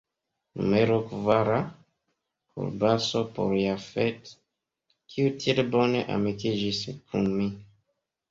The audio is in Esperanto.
Numero kvara: Kolbaso; por Jafet, kiu tiel bone amikiĝis kun mi.